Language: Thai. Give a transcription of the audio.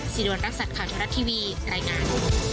สิริวัณรักษัตริย์ข่าวเทวรัฐทีวีรายงาน